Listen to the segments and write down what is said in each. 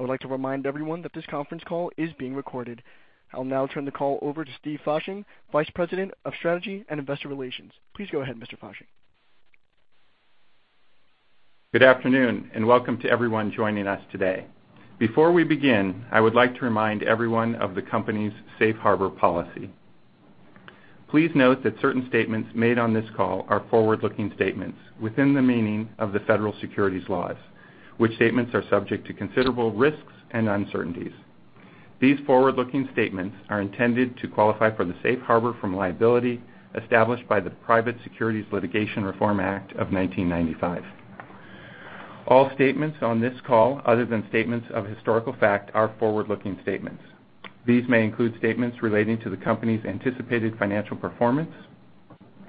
I would like to remind everyone that this conference call is being recorded. I'll now turn the call over to Steve Fasching, Vice President of Strategy and Investor Relations. Please go ahead, Mr. Fasching. Good afternoon, welcome to everyone joining us today. Before we begin, I would like to remind everyone of the company's safe harbor policy. Please note that certain statements made on this call are forward-looking statements within the meaning of the federal securities laws, which statements are subject to considerable risks and uncertainties. These forward-looking statements are intended to qualify for the safe harbor from liability established by the Private Securities Litigation Reform Act of 1995. All statements on this call, other than statements of historical fact, are forward-looking statements. These may include statements relating to the company's anticipated financial performance,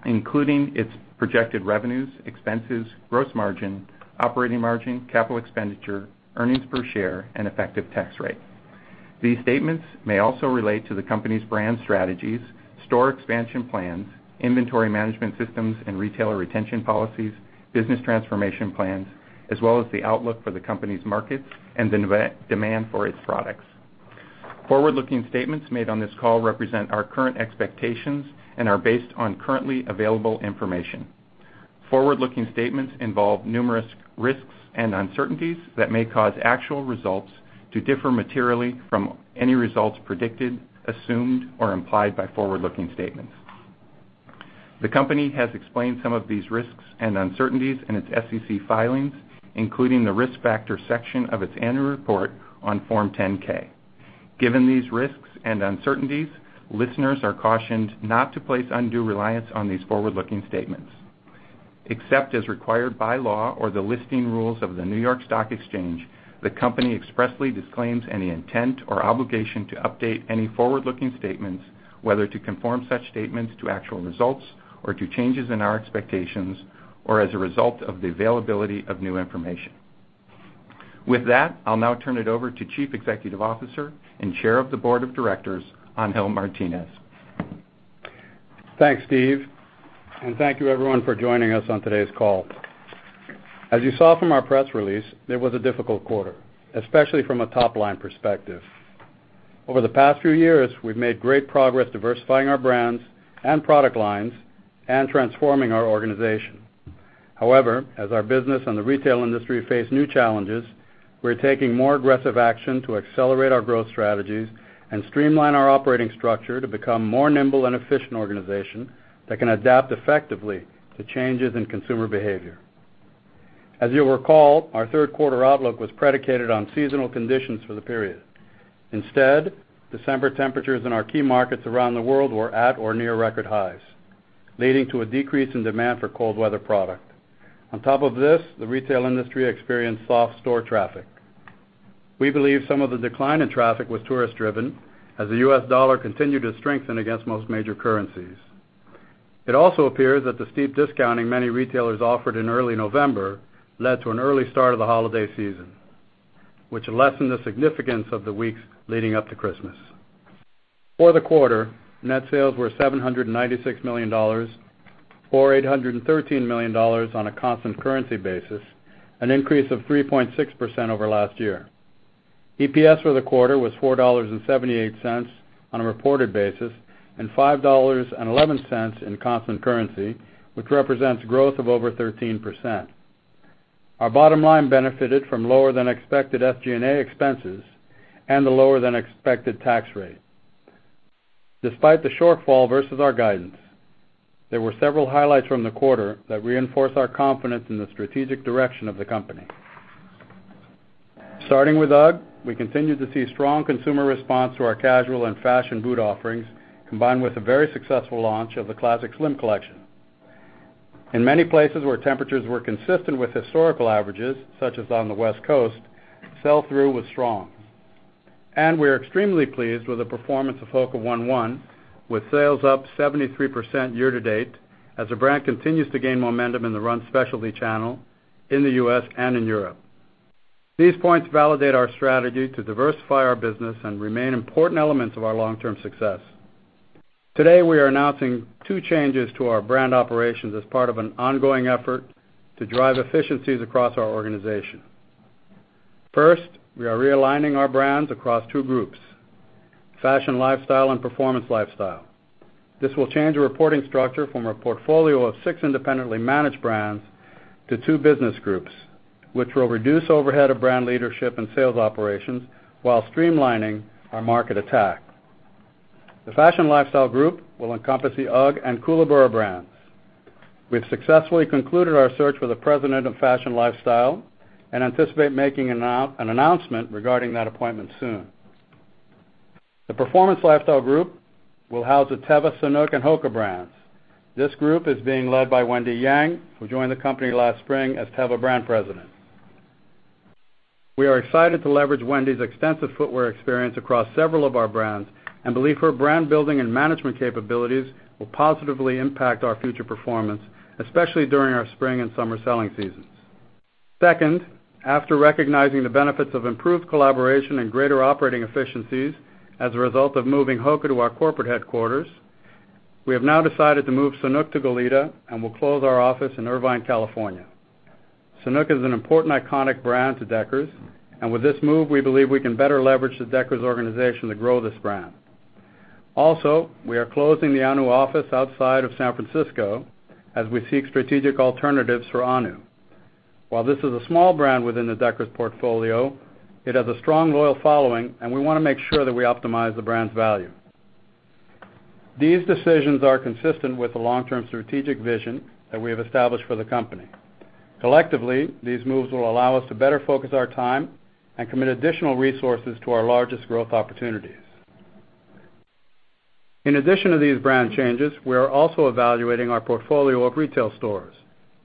including its projected revenues, expenses, gross margin, operating margin, capital expenditure, earnings per share, and effective tax rate. These statements may also relate to the company's brand strategies, store expansion plans, inventory management systems and retailer retention policies, business transformation plans, as well as the outlook for the company's markets and the demand for its products. Forward-looking statements made on this call represent our current expectations and are based on currently available information. Forward-looking statements involve numerous risks and uncertainties that may cause actual results to differ materially from any results predicted, assumed, or implied by forward-looking statements. The company has explained some of these risks and uncertainties in its SEC filings, including the Risk Factor section of its annual report on Form 10-K. Given these risks and uncertainties, listeners are cautioned not to place undue reliance on these forward-looking statements. Except as required by law or the listing rules of the New York Stock Exchange, the company expressly disclaims any intent or obligation to update any forward-looking statements, whether to conform such statements to actual results or to changes in our expectations or as a result of the availability of new information. With that, I'll now turn it over to Chief Executive Officer and Chair of the Board of Directors, Angel Martinez. Thanks, Steve, and thank you everyone for joining us on today's call. As you saw from our press release, it was a difficult quarter, especially from a top-line perspective. Over the past few years, we've made great progress diversifying our brands and product lines and transforming our organization. However, as our business and the retail industry face new challenges, we're taking more aggressive action to accelerate our growth strategies and streamline our operating structure to become a more nimble and efficient organization that can adapt effectively to changes in consumer behavior. As you'll recall, our third quarter outlook was predicated on seasonal conditions for the period. Instead, December temperatures in our key markets around the world were at or near record highs, leading to a decrease in demand for cold weather product. On top of this, the retail industry experienced soft store traffic. We believe some of the decline in traffic was tourist-driven as the U.S. dollar continued to strengthen against most major currencies. It also appears that the steep discounting many retailers offered in early November led to an early start of the holiday season, which lessened the significance of the weeks leading up to Christmas. For the quarter, net sales were $796 million, or $813 million on a constant currency basis, an increase of 3.6% over last year. EPS for the quarter was $4.78 on a reported basis and $5.11 in constant currency, which represents growth of over 13%. Our bottom line benefited from lower than expected SG&A expenses and a lower than expected tax rate. Despite the shortfall versus our guidance, there were several highlights from the quarter that reinforce our confidence in the strategic direction of the company. Starting with UGG, we continue to see strong consumer response to our casual and fashion boot offerings, combined with a very successful launch of the Classic Slim collection. In many places where temperatures were consistent with historical averages, such as on the West Coast, sell-through was strong. We're extremely pleased with the performance of HOKA ONE ONE, with sales up 73% year-to-date as the brand continues to gain momentum in the run specialty channel in the U.S. and in Europe. These points validate our strategy to diversify our business and remain important elements of our long-term success. Today, we are announcing two changes to our brand operations as part of an ongoing effort to drive efficiencies across our organization. First, we are realigning our brands across two groups, fashion lifestyle and performance lifestyle. This will change the reporting structure from a portfolio of six independently managed brands to two business groups, which will reduce overhead of brand leadership and sales operations while streamlining our market attack. The fashion lifestyle group will encompass the UGG and Koolaburra brands. We've successfully concluded our search for the President of Fashion Lifestyle and anticipate making an announcement regarding that appointment soon. The Performance Lifestyle group will house the Teva, Sanuk, and HOKA brands. This group is being led by Wendy Yang, who joined the company last spring as Teva Brand President. We are excited to leverage Wendy's extensive footwear experience across several of our brands and believe her brand-building and management capabilities will positively impact our future performance, especially during our spring and summer selling seasons. Second, after recognizing the benefits of improved collaboration and greater operating efficiencies as a result of moving HOKA to our corporate headquarters. We have now decided to move Sanuk to Goleta and will close our office in Irvine, California. Sanuk is an important iconic brand to Deckers, and with this move, we believe we can better leverage the Deckers organization to grow this brand. Also, we are closing the Ahnu office outside of San Francisco as we seek strategic alternatives for Ahnu. While this is a small brand within the Deckers portfolio, it has a strong, loyal following, and we want to make sure that we optimize the brand's value. These decisions are consistent with the long-term strategic vision that we have established for the company. Collectively, these moves will allow us to better focus our time and commit additional resources to our largest growth opportunities. In addition to these brand changes, we are also evaluating our portfolio of retail stores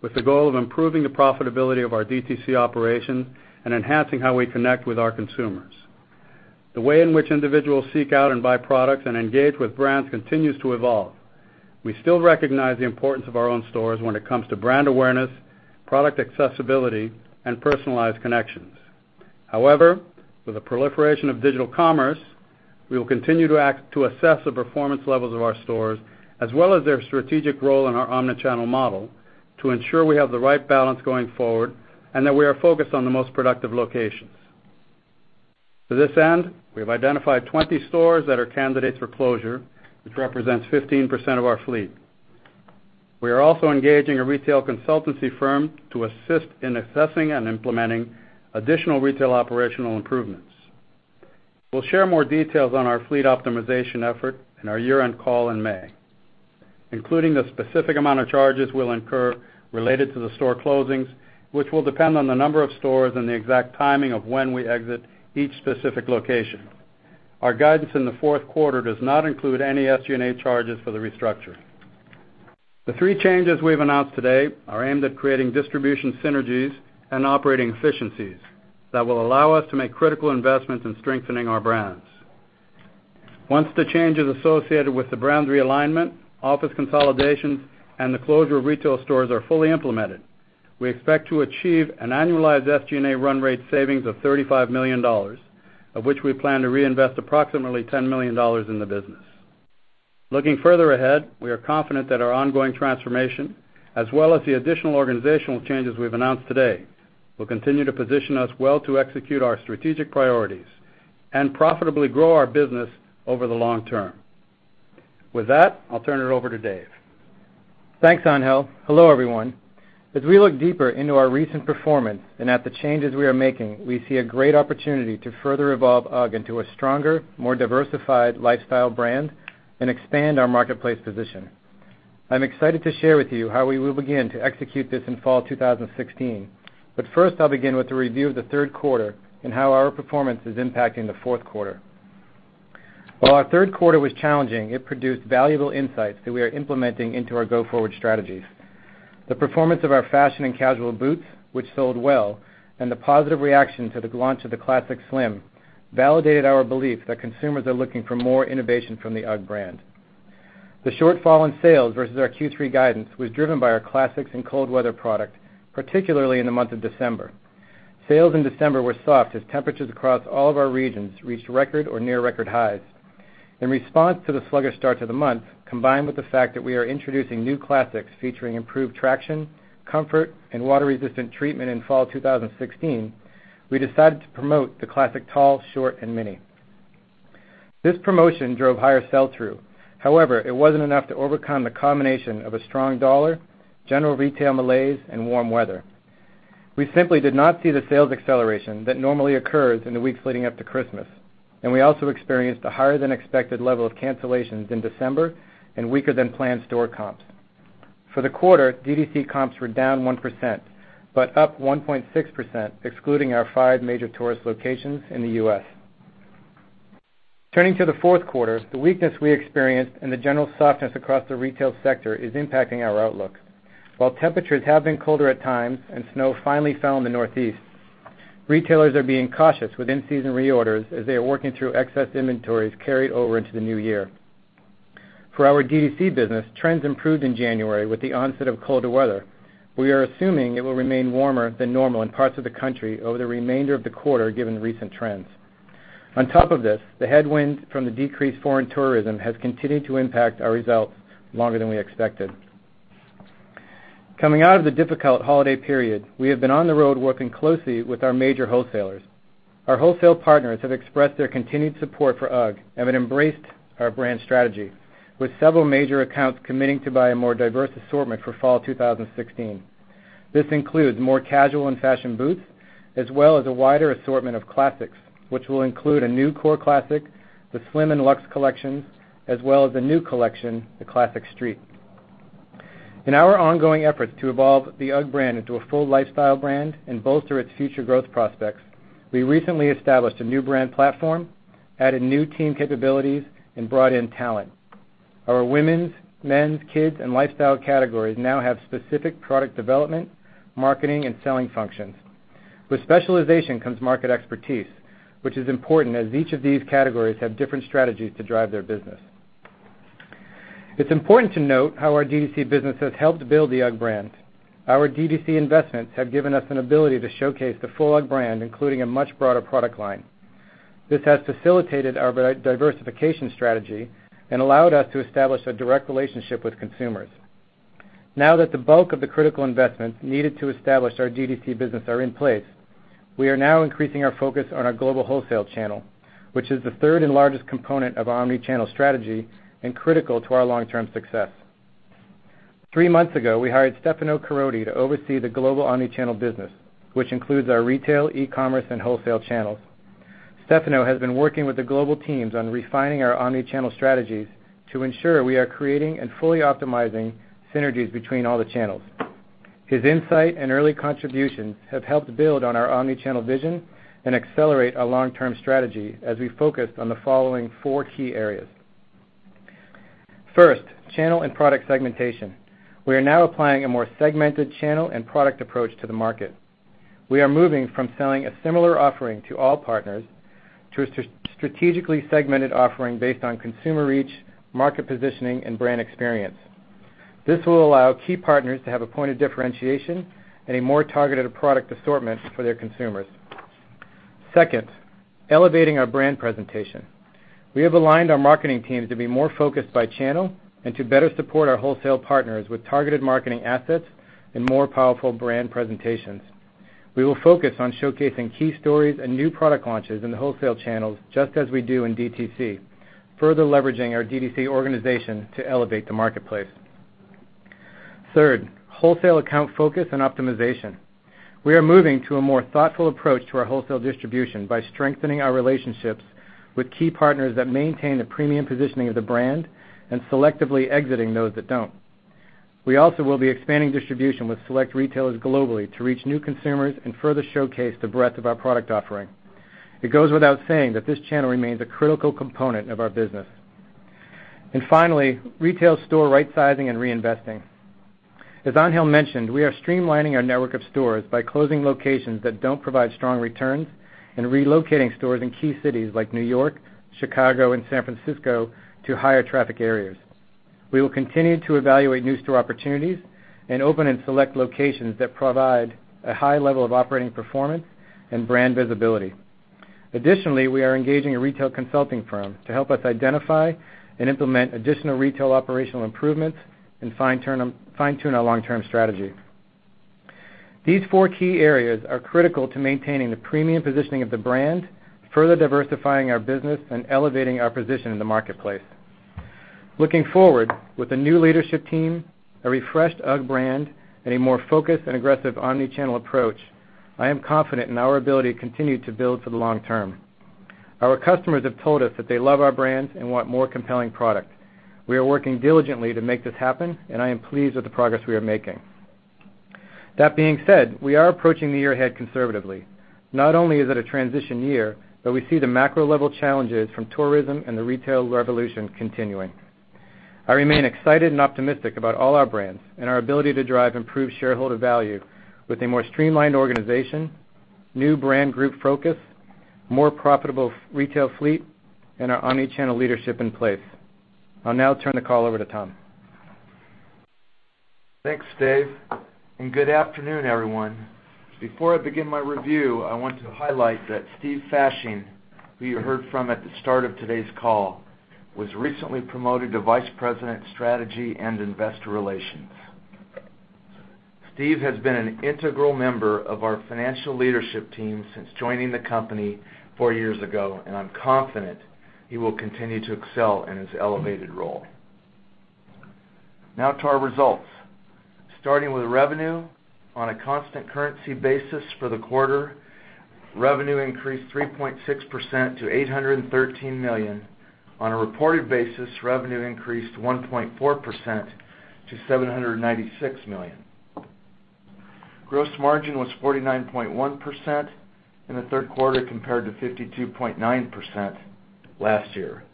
with the goal of improving the profitability of our DTC operations and enhancing how we connect with our consumers. The way in which individuals seek out and buy products and engage with brands continues to evolve. We still recognize the importance of our own stores when it comes to brand awareness, product accessibility, and personalized connections. However, with the proliferation of digital commerce, we will continue to assess the performance levels of our stores, as well as their strategic role in our omni-channel model to ensure we have the right balance going forward and that we are focused on the most productive locations. To this end, we have identified 20 stores that are candidates for closure, which represents 15% of our fleet. We are also engaging a retail consultancy firm to assist in assessing and implementing additional retail operational improvements. We'll share more details on our fleet optimization effort in our year-end call in May, including the specific amount of charges we'll incur related to the store closings, which will depend on the number of stores and the exact timing of when we exit each specific location. Our guidance in the fourth quarter does not include any SG&A charges for the restructure. The three changes we've announced today are aimed at creating distribution synergies and operating efficiencies that will allow us to make critical investments in strengthening our brands. Once the changes associated with the brand realignment, office consolidations, and the closure of retail stores are fully implemented, we expect to achieve an annualized SG&A run rate savings of $35 million, of which we plan to reinvest approximately $10 million in the business. Looking further ahead, we are confident that our ongoing transformation, as well as the additional organizational changes we've announced today, will continue to position us well to execute our strategic priorities and profitably grow our business over the long term. With that, I'll turn it over to Dave. Thanks, Angel. Hello, everyone. As we look deeper into our recent performance and at the changes we are making, we see a great opportunity to further evolve UGG into a stronger, more diversified lifestyle brand and expand our marketplace position. I'm excited to share with you how we will begin to execute this in fall 2016. First, I'll begin with a review of the third quarter and how our performance is impacting the fourth quarter. While our third quarter was challenging, it produced valuable insights that we are implementing into our go-forward strategies. The performance of our fashion and casual boots, which sold well, and the positive reaction to the launch of the Classic Slim validated our belief that consumers are looking for more innovation from the UGG brand. The shortfall in sales versus our Q3 guidance was driven by our classics and cold weather product, particularly in the month of December. Sales in December were soft as temperatures across all of our regions reached record or near record highs. In response to the sluggish start to the month, combined with the fact that we are introducing new classics featuring improved traction, comfort, and water-resistant treatment in fall 2016, we decided to promote the Classic Tall, Short, and Mini. This promotion drove higher sell-through. It wasn't enough to overcome the combination of a strong dollar, general retail malaise, and warm weather. We simply did not see the sales acceleration that normally occurs in the weeks leading up to Christmas, and we also experienced a higher than expected level of cancellations in December and weaker than planned store comps. For the quarter, D2C comps were down 1%, but up 1.6%, excluding our five major tourist locations in the U.S. Turning to the fourth quarter, the weakness we experienced and the general softness across the retail sector is impacting our outlook. While temperatures have been colder at times and snow finally fell in the Northeast, retailers are being cautious with in-season reorders as they are working through excess inventories carried over into the new year. For our D2C business, trends improved in January with the onset of colder weather. We are assuming it will remain warmer than normal in parts of the country over the remainder of the quarter, given the recent trends. On top of this, the headwinds from the decreased foreign tourism has continued to impact our results longer than we expected. Coming out of the difficult holiday period, we have been on the road working closely with our major wholesalers. Our wholesale partners have expressed their continued support for UGG and have embraced our brand strategy, with several major accounts committing to buy a more diverse assortment for fall 2016. This includes more casual and fashion boots, as well as a wider assortment of classics, which will include a new core classic, the Classic Slim and Classic Luxe collections, as well as a new collection, the Classic Street. In our ongoing efforts to evolve the UGG brand into a full lifestyle brand and bolster its future growth prospects, we recently established a new brand platform, added new team capabilities, and brought in talent. Our women's, men's, kids, and lifestyle categories now have specific product development, marketing, and selling functions. With specialization comes market expertise, which is important as each of these categories have different strategies to drive their business. It's important to note how our D2C business has helped build the UGG brand. Our D2C investments have given us an ability to showcase the full UGG brand, including a much broader product line. This has facilitated our diversification strategy and allowed us to establish a direct relationship with consumers. Now that the bulk of the critical investments needed to establish our DTC business are in place, we are now increasing our focus on our global wholesale channel, which is the third and largest component of our omni-channel strategy and critical to our long-term success. Three months ago, we hired Stefano Caroti to oversee the global omni-channel business, which includes our retail, e-commerce, and wholesale channels. Stefano has been working with the global teams on refining our omni-channel strategies to ensure we are creating and fully optimizing synergies between all the channels. His insight and early contributions have helped build on our omni-channel vision and accelerate our long-term strategy as we focused on the following four key areas. First, channel and product segmentation. We are now applying a more segmented channel and product approach to the market. We are moving from selling a similar offering to all partners to a strategically segmented offering based on consumer reach, market positioning, and brand experience. This will allow key partners to have a point of differentiation and a more targeted product assortment for their consumers. Second, elevating our brand presentation. We have aligned our marketing teams to be more focused by channel and to better support our wholesale partners with targeted marketing assets and more powerful brand presentations. We will focus on showcasing key stories and new product launches in the wholesale channels just as we do in DTC, further leveraging our DTC organization to elevate the marketplace. Third, wholesale account focus and optimization. We are moving to a more thoughtful approach to our wholesale distribution by strengthening our relationships with key partners that maintain the premium positioning of the brand and selectively exiting those that don't. We also will be expanding distribution with select retailers globally to reach new consumers and further showcase the breadth of our product offering. It goes without saying that this channel remains a critical component of our business. Finally, retail store rightsizing and reinvesting. As Angel mentioned, we are streamlining our network of stores by closing locations that don't provide strong returns and relocating stores in key cities like New York, Chicago, and San Francisco to higher traffic areas. We will continue to evaluate new store opportunities and open in select locations that provide a high level of operating performance and brand visibility. Additionally, we are engaging a retail consulting firm to help us identify and implement additional retail operational improvements and fine-tune our long-term strategy. These four key areas are critical to maintaining the premium positioning of the brand, further diversifying our business, and elevating our position in the marketplace. Looking forward, with the new leadership team, a refreshed UGG brand, and a more focused and aggressive omni-channel approach, I am confident in our ability to continue to build for the long term. Our customers have told us that they love our brands and want more compelling product. We are working diligently to make this happen, and I am pleased with the progress we are making. That being said, we are approaching the year ahead conservatively. Not only is it a transition year, we see the macro level challenges from tourism and the retail revolution continuing. I remain excited and optimistic about all our brands and our ability to drive improved shareholder value with a more streamlined organization, new brand group focus, more profitable retail fleet, and our omni-channel leadership in place. I'll now turn the call over to Tom. Thanks, Dave, good afternoon, everyone. Before I begin my review, I want to highlight that Steve Fasching, who you heard from at the start of today's call, was recently promoted to vice president of strategy and investor relations. Steve has been an integral member of his financial leadership team since joining the company four years ago, I'm confident he will continue to excel in his elevated role. Now to our results. Starting with revenue. On a constant currency basis for the quarter, revenue increased 3.6% to $813 million. On a reported basis, revenue increased 1.4% to $796 million. Gross margin was 49.1% in the third quarter compared to 52.9% last year.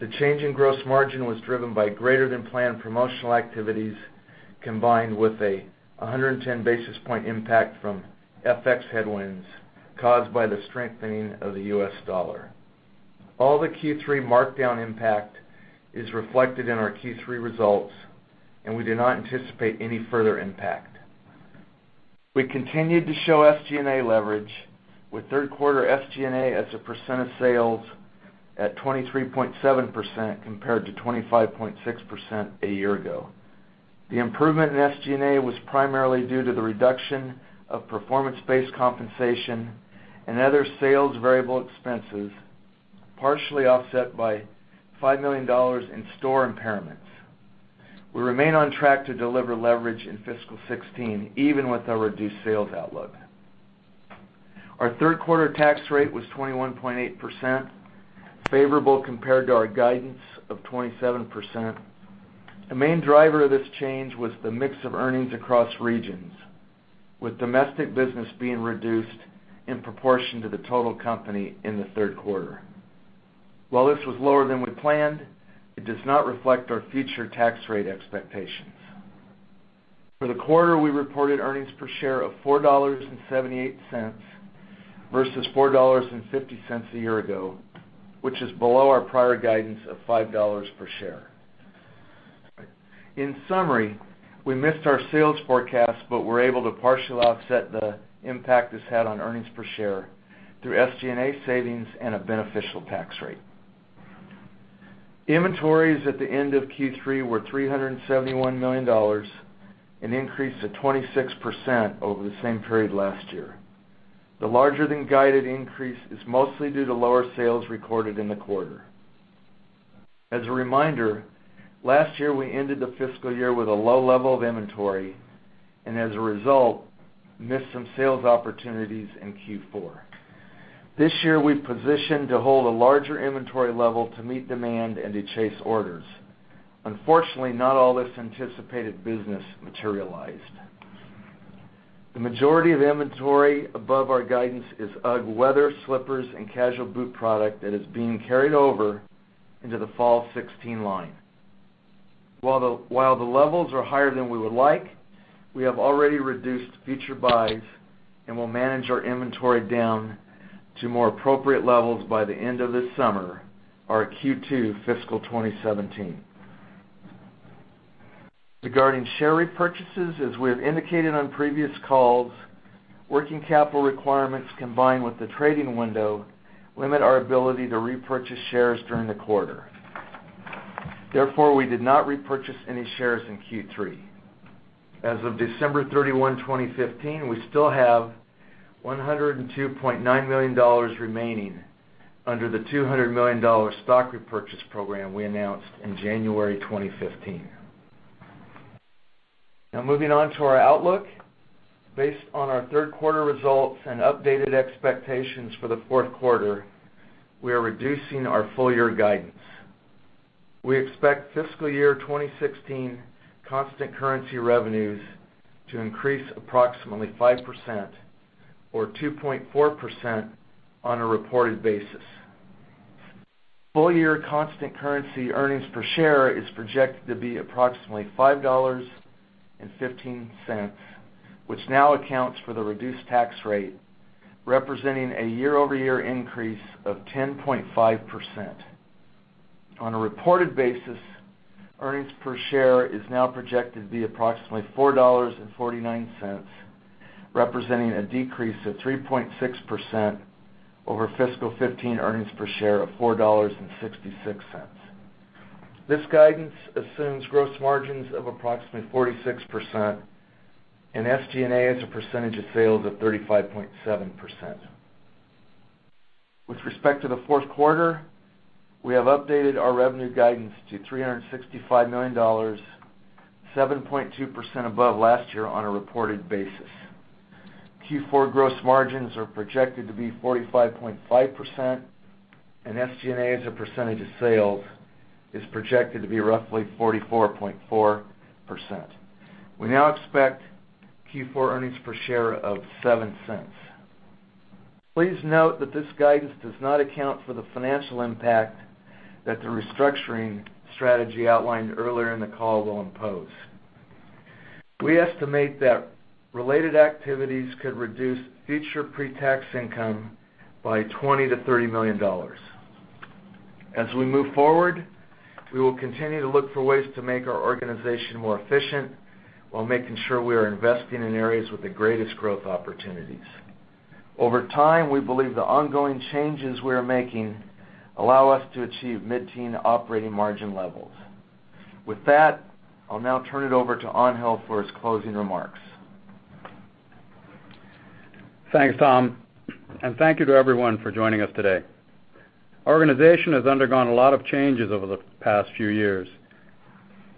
The change in gross margin was driven by greater-than-planned promotional activities, combined with a 110 basis point impact from FX headwinds caused by the strengthening of the U.S. dollar. All the Q3 markdown impact is reflected in our Q3 results, we do not anticipate any further impact. We continued to show SG&A leverage with third quarter SG&A as a percent of sales at 23.7% compared to 25.6% a year ago. The improvement in SG&A was primarily due to the reduction of performance-based compensation and other sales variable expenses, partially offset by $5 million in store impairments. We remain on track to deliver leverage in fiscal 2016, even with our reduced sales outlook. Our third quarter tax rate was 21.8%, favorable compared to our guidance of 27%. The main driver of this change was the mix of earnings across regions, with domestic business being reduced in proportion to the total company in the third quarter. While this was lower than we planned, it does not reflect our future tax rate expectations. For the quarter, we reported earnings per share of $4.78 versus $4.50 a year ago, which is below our prior guidance of $5 per share. In summary, we missed our sales forecast, were able to partially offset the impact this had on earnings per share through SG&A savings and a beneficial tax rate. Inventories at the end of Q3 were $371 million, an increase of 26% over the same period last year. The larger-than-guided increase is mostly due to lower sales recorded in the quarter. As a reminder, last year we ended the fiscal year with a low level of inventory, as a result, missed some sales opportunities in Q4. This year, we've positioned to hold a larger inventory level to meet demand and to chase orders. Unfortunately, not all this anticipated business materialized. The majority of inventory above our guidance is UGG weather slippers and casual boot product that is being carried over into the fall 2016 line. While the levels are higher than we would like, we have already reduced future buys and will manage our inventory down to more appropriate levels by the end of this summer or Q2 fiscal 2017. Regarding share repurchases, as we have indicated on previous calls, working capital requirements, combined with the trading window, limit our ability to repurchase shares during the quarter. Therefore, we did not repurchase any shares in Q3. As of December 31, 2015, we still have $102.9 million remaining under the $200 million stock repurchase program we announced in January 2015. Moving on to our outlook. Based on our third quarter results and updated expectations for the fourth quarter, we are reducing our full-year guidance. We expect fiscal year 2016 constant currency revenues to increase approximately 5% or 2.4% on a reported basis. Full-year constant currency earnings per share is projected to be approximately $5.15, which now accounts for the reduced tax rate, representing a year-over-year increase of 10.5%. On a reported basis, earnings per share is now projected to be approximately $4.49, representing a decrease of 3.6% over fiscal 2015 earnings per share of $4.66. This guidance assumes gross margins of approximately 46% and SG&A as a percentage of sales of 35.7%. With respect to the fourth quarter, we have updated our revenue guidance to $365 million, 7.2% above last year on a reported basis. Q4 gross margins are projected to be 45.5% and SG&A as a percentage of sales is projected to be roughly 44.4%. We now expect Q4 earnings per share of $0.07. Please note that this guidance does not account for the financial impact that the restructuring strategy outlined earlier in the call will impose. We estimate that related activities could reduce future pretax income by $20 million-$30 million. As we move forward, we will continue to look for ways to make our organization more efficient while making sure we are investing in areas with the greatest growth opportunities. Over time, we believe the ongoing changes we are making allow us to achieve mid-teen operating margin levels. I'll now turn it over to Angel for his closing remarks. Thanks, Tom, and thank you to everyone for joining us today. Our organization has undergone a lot of changes over the past few years,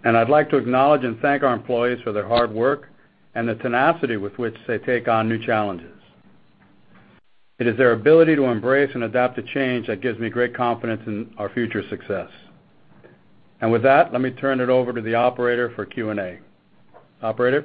and I'd like to acknowledge and thank our employees for their hard work and the tenacity with which they take on new challenges. It is their ability to embrace and adapt to change that gives me great confidence in our future success. With that, let me turn it over to the operator for Q&A. Operator?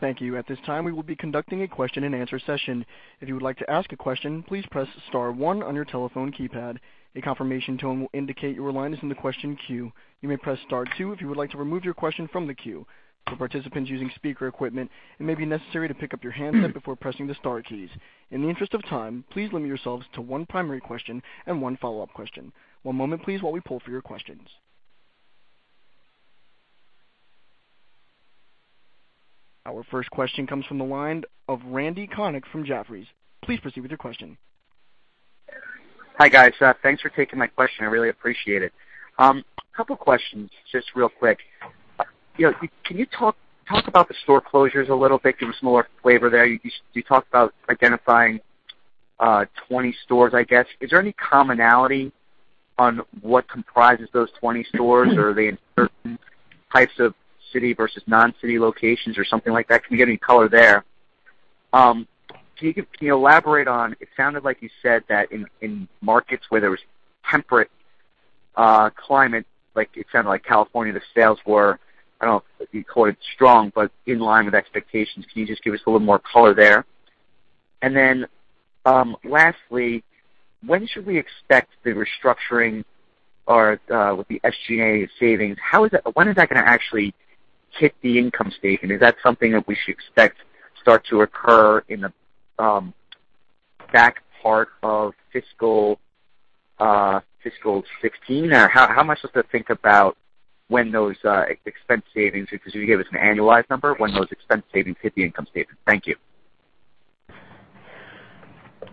Thank you. At this time, we will be conducting a question-and-answer session. If you would like to ask a question, please press *1 on your telephone keypad. A confirmation tone will indicate your line is in the question queue. You may press *2 if you would like to remove your question from the queue. For participants using speaker equipment, it may be necessary to pick up your handset before pressing the star keys. In the interest of time, please limit yourselves to one primary question and one follow-up question. One moment please while we pull for your questions. Our first question comes from the line of Randal Konik from Jefferies. Please proceed with your question. Hi, guys. Thanks for taking my question. I really appreciate it. Couple questions, just real quick. Can you talk about the store closures a little bit? Give us more flavor there. You talked about identifying 20 stores, I guess. Is there any commonality on what comprises those 20 stores? Are they in certain types of city versus non-city locations or something like that? Can you give any color there? Can you elaborate on, it sounded like you said that in markets where there was temperate climate, it sounded like California, the sales were, I don't know if you'd call it strong, but in line with expectations. Can you just give us a little more color there? Then lastly, when should we expect the restructuring or with the SG&A savings, when is that going to actually hit the income statement? Is that something that we should expect start to occur in the- back part of fiscal 2016? How much does that think about when those expense savings, because you gave us an annualized number, when those expense savings hit the income statement? Thank you.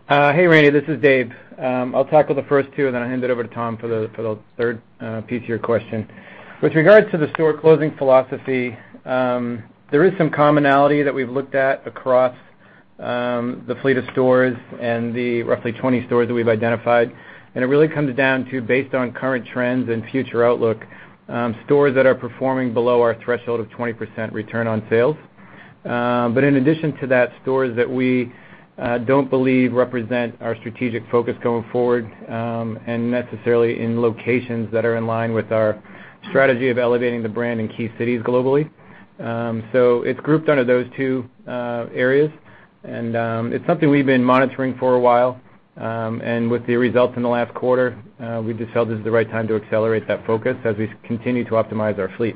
Hey, Randal, this is Dave. I'll tackle the first two, then I'll hand it over to Tom for the third piece of your question. With regards to the store closing philosophy, there is some commonality that we've looked at across the fleet of stores and the roughly 20 stores that we've identified. It really comes down to based on current trends and future outlook, stores that are performing below our threshold of 20% return on sales. In addition to that, stores that we don't believe represent our strategic focus going forward, necessarily in locations that are in line with our strategy of elevating the brand in key cities globally. It's grouped under those two areas, and it's something we've been monitoring for a while. With the results in the last quarter, we just felt this is the right time to accelerate that focus as we continue to optimize our fleet.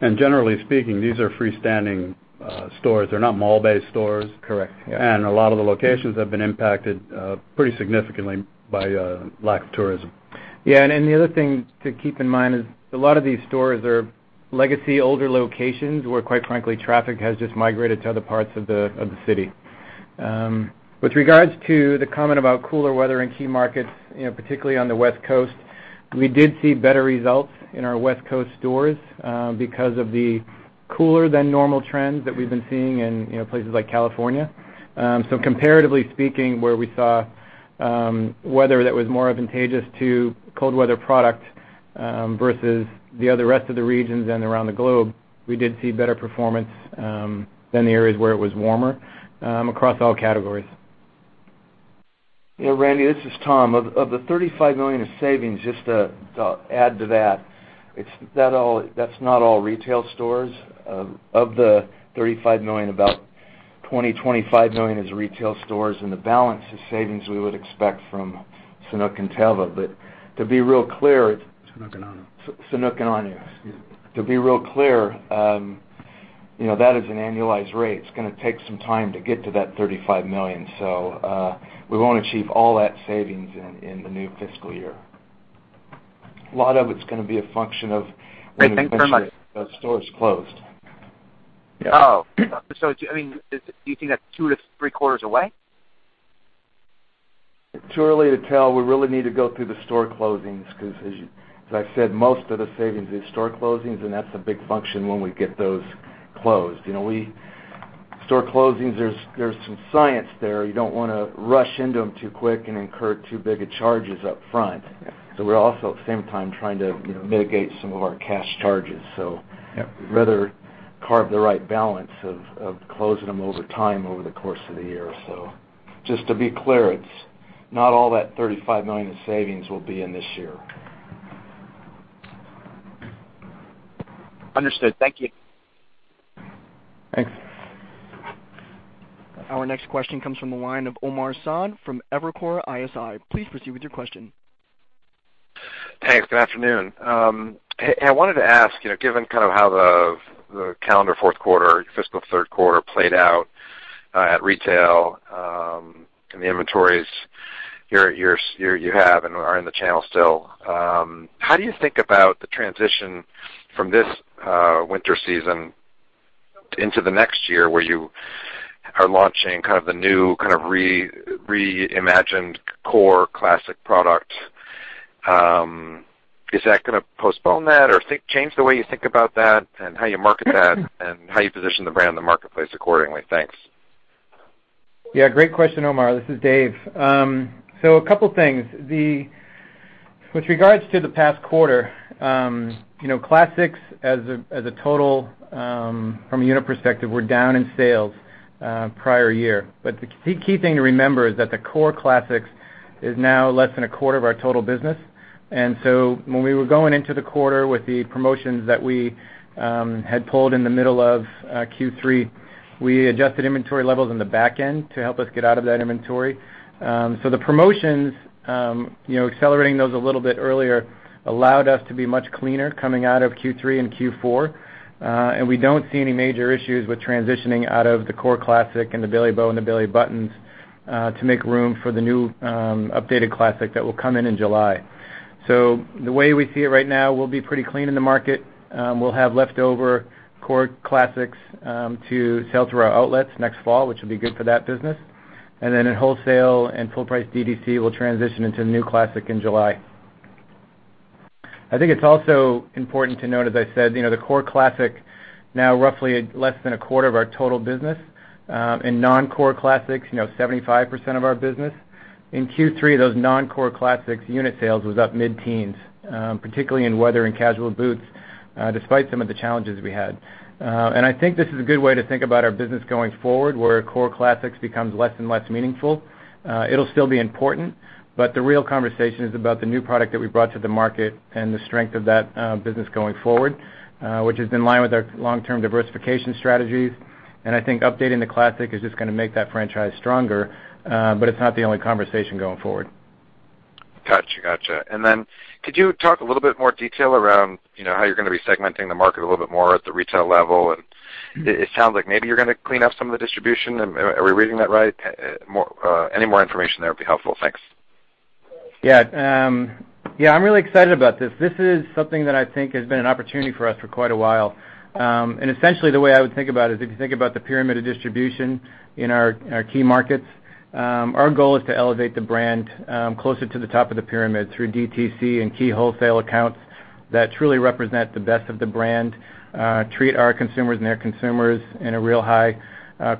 Generally speaking, these are freestanding stores. They're not mall-based stores. Correct. Yeah. A lot of the locations have been impacted pretty significantly by lack of tourism. The other thing to keep in mind is a lot of these stores are legacy older locations, where, quite frankly, traffic has just migrated to other parts of the city. With regards to the comment about cooler weather in key markets, particularly on the West Coast, we did see better results in our West Coast stores because of the cooler than normal trends that we've been seeing in places like California. Comparatively speaking, where we saw weather that was more advantageous to cold weather product versus the rest of the regions and around the globe, we did see better performance than the areas where it was warmer across all categories. Randal, this is Tom. Of the $35 million of savings, just to add to that's not all retail stores. Of the $35 million, about $20 million-$25 million is retail stores, and the balance is savings we would expect from Sanuk and Teva. Sanuk and Ahnu. Sanuk and Ahnu. Excuse me. To be real clear, that is an annualized rate. It's going to take some time to get to that $35 million. We won't achieve all that savings in the new fiscal year. A lot of it's going to be a function of. Great. Thanks very much. when we get those stores closed. Oh. Do you think that's two to three quarters away? Too early to tell. We really need to go through the store closings because, as I said, most of the savings is store closings, and that's a big function when we get those closed. Store closings, there's some science there. You don't want to rush into them too quick and incur too big a charges up front. We're also, at the same time, trying to mitigate some of our cash charges. We'd rather carve the right balance of closing them over time over the course of the year or so. Just to be clear, it's not all that $35 million in savings will be in this year. Understood. Thank you. Thanks. Our next question comes from the line of Omar Saad from Evercore ISI. Please proceed with your question. Thanks. Good afternoon. Hey, I wanted to ask, given how the calendar fourth quarter, fiscal third quarter played out at retail, and the inventories you have and are in the channel still. How do you think about the transition from this winter season into the next year, where you are launching the new reimagined Core Classic product? Is that going to postpone that or change the way you think about that and how you market that and how you position the brand in the marketplace accordingly? Thanks. Yeah. Great question, Omar. This is Dave. A couple things. With regards to the past quarter, Classics as a total from a unit perspective were down in sales prior year. The key thing to remember is that the Core Classic is now less than a quarter of our total business. When we were going into the quarter with the promotions that we had pulled in the middle of Q3, we adjusted inventory levels in the back end to help us get out of that inventory. The promotions, accelerating those a little bit earlier allowed us to be much cleaner coming out of Q3 and Q4. We don't see any major issues with transitioning out of the Core Classic and the Bailey Bow and the Bailey Button to make room for the new updated Classic that will come in in July. The way we see it right now, we'll be pretty clean in the market. We'll have leftover Core Classic to sell through our outlets next fall, which will be good for that business. Then in wholesale and full price DTC, we'll transition into new Classic in July. I think it's also important to note, as I said, the Core Classic now roughly less than a quarter of our total business. In non-Core Classics, 75% of our business. In Q3, those non-Core Classics unit sales was up mid-teens, particularly in weather and casual boots, despite some of the challenges we had. I think this is a good way to think about our business going forward, where Core Classic becomes less and less meaningful. It will still be important, but the real conversation is about the new product that we brought to the market and the strength of that business going forward, which is in line with our long-term diversification strategies. I think updating the Classic is just going to make that franchise stronger. It's not the only conversation going forward. Got you. Could you talk a little bit more detail around how you're going to be segmenting the market a little bit more at the retail level? It sounds like maybe you're going to clean up some of the distribution. Are we reading that right? Any more information there would be helpful. Thanks. Yeah. I'm really excited about this. This is something that I think has been an opportunity for us for quite a while. Essentially the way I would think about it is if you think about the pyramid of distribution in our key markets, our goal is to elevate the brand closer to the top of the pyramid through DTC and key wholesale accounts that truly represent the best of the brand, treat our consumers and their consumers in a real high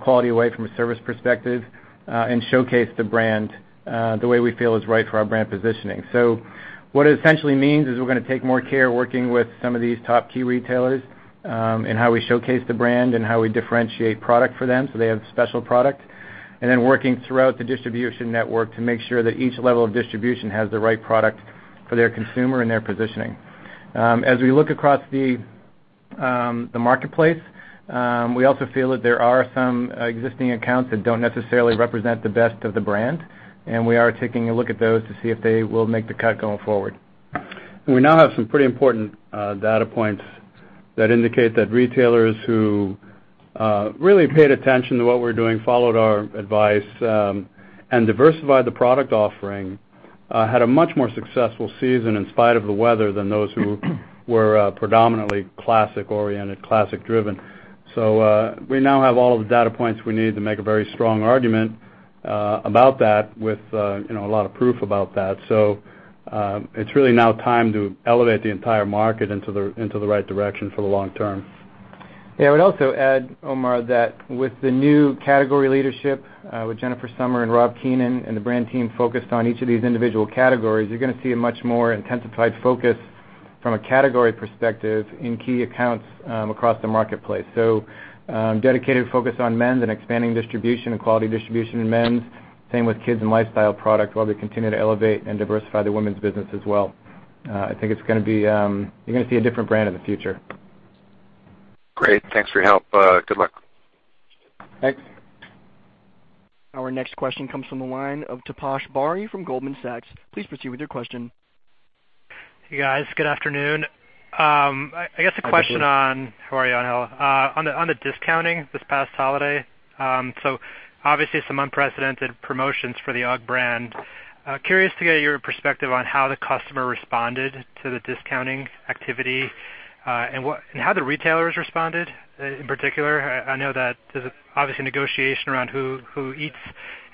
quality way from a service perspective, and showcase the brand the way we feel is right for our brand positioning. What it essentially means is we're going to take more care working with some of these top key retailers in how we showcase the brand and how we differentiate product for them so they have special product. Working throughout the distribution network to make sure that each level of distribution has the right product for their consumer and their positioning. As we look across the marketplace, we also feel that there are some existing accounts that don't necessarily represent the best of the brand, and we are taking a look at those to see if they will make the cut going forward. We now have some pretty important data points that indicate that retailers who really paid attention to what we're doing, followed our advice, and diversified the product offering, had a much more successful season in spite of the weather than those who were predominantly classic-oriented, classic-driven. We now have all the data points we need to make a very strong argument about that with a lot of proof about that. It's really now time to elevate the entire market into the right direction for the long term. Yeah. I would also add, Omar, that with the new category leadership, with Jennifer Somer and Rob Keeney and the brand team focused on each of these individual categories, you're going to see a much more intensified focus from a category perspective in key accounts across the marketplace. Dedicated focus on men's and expanding distribution and quality distribution in men's. Same with kids and lifestyle product, while we continue to elevate and diversify the women's business as well. I think you're going to see a different brand in the future. Great. Thanks for your help. Good luck. Thanks. Our next question comes from the line of Taposh Bari from Goldman Sachs. Please proceed with your question. Hey, guys. Good afternoon. I guess a question on- Hi, Taposh. How are you? On the discounting this past holiday. Obviously some unprecedented promotions for the UGG brand. Curious to get your perspective on how the customer responded to the discounting activity, and how the retailers responded, in particular. I know that there's obviously negotiation around who eats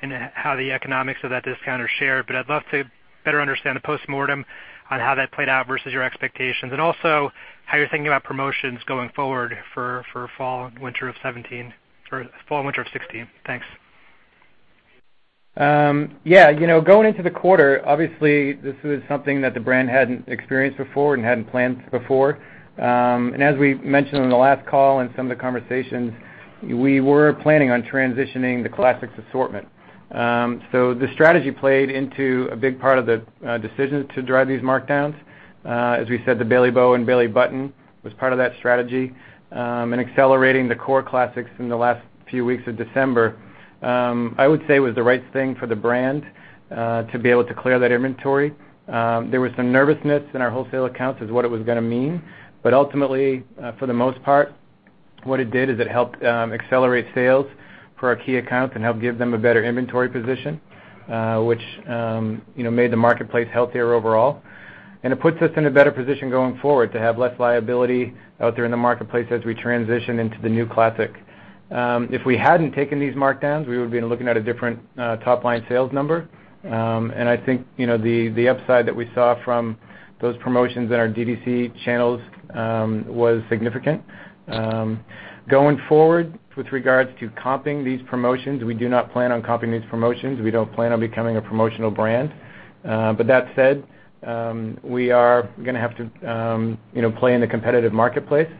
and how the economics of that discount are shared, but I'd love to better understand the postmortem on how that played out versus your expectations. Also how you're thinking about promotions going forward for fall and winter of 2016. Thanks. Yeah. Going into the quarter, obviously this was something that the brand hadn't experienced before and hadn't planned before. As we mentioned on the last call and some of the conversations, we were planning on transitioning the classics assortment. The strategy played into a big part of the decision to drive these markdowns. As we said, the Bailey Bow and Bailey Button was part of that strategy. Accelerating the core classics in the last few weeks of December, I would say, was the right thing for the brand, to be able to clear that inventory. There was some nervousness in our wholesale accounts as what it was going to mean. Ultimately, for the most part, what it did is it helped accelerate sales for our key accounts and helped give them a better inventory position, which made the marketplace healthier overall. It puts us in a better position going forward to have less liability out there in the marketplace as we transition into the new Classic. If we hadn't taken these markdowns, we would've been looking at a different top-line sales number. I think the upside that we saw from those promotions in our DTC channels was significant. Going forward, with regards to comping these promotions, we do not plan on comping these promotions. We don't plan on becoming a promotional brand. That said, we are going to have to play in the competitive marketplace